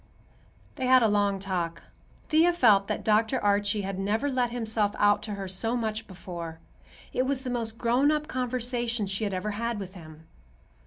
They had a long talk. Thea felt that Dr. Archie had never let himself out to her so much before. It was the most grown up conversation she had ever had with him.